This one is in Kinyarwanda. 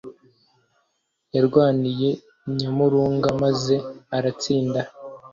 Yarwaniye Nyamurunga maze aratsinda